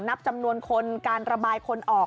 นับจำนวนคนการระบายคนออก